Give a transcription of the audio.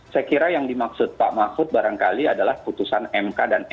saya kira yang dimaksud pak mahfud barangkali adalah putusan mk dan mk